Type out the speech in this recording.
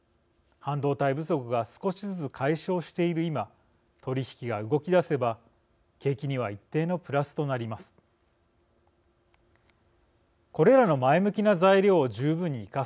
半導体不足が少しずつ解消している今取り引きが動き出せば景気には一定のプラスとなります。